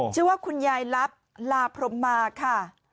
ชื่อว่าคุณยายลับลาพรมมาค่ะ